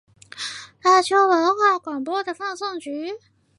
大邱文化广播的放送局。